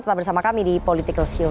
tetap bersama kami di political show